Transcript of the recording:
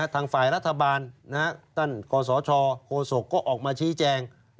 ทางฝ่ายรัฐบาลท่านกศชโคศกก็ออกมาชี้แจง